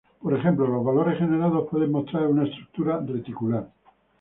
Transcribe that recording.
Por ejemplo, los valores generados pueden mostrar una estructura reticular.